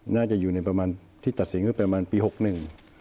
น่าจะอยู่ในประมาณที่ตัดสินก็ประมาณปีหกหนึ่ง